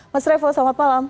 mas revo selamat malam